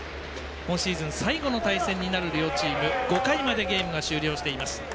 今シーズン最後の対戦になる両チーム、５回までゲームが終了しています。